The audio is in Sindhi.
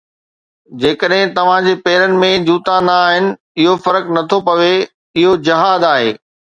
جيڪڏهن توهان جي پيرن ۾ جوتا نه آهن، اهو فرق نٿو پوي، اهو جهاد آهي.